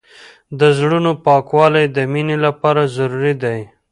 د زړونو پاکوالی د مینې لپاره ضروري دی.